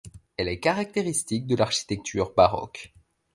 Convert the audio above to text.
Elle est caractéristique de l'architecture baroque.